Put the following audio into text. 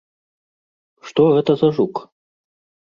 Што гэта за жук?